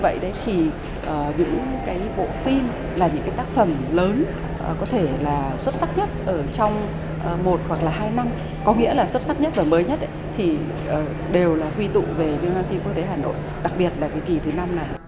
vậy đấy thì những cái bộ phim là những cái tác phẩm lớn có thể là xuất sắc nhất ở trong một hoặc là hai năm có nghĩa là xuất sắc nhất và mới nhất thì đều là quy tụ về viêm ganti quốc tế hà nội đặc biệt là cái kỳ thứ năm này